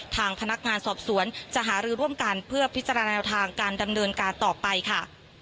ทางพนักงานสอบสวนจะหารือร่วมกันเพื่อพิจารณาแนวทางการดำเนินการต่อไปค่ะ